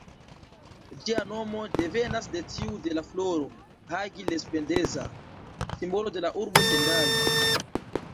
Ĝia nomo devenas de tiu de la floro ""Hagi-Lespedeza"", simbolo de la urbo Sendai.